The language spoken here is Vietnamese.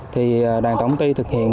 thì đàn tổng tư thực hiện